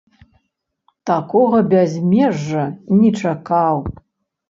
Такога бязмежжа не чакаў.